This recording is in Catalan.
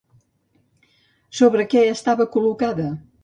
Sobre què estava col·locada?